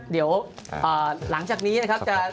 เดี๋ยวหลังจากนี้นะครับ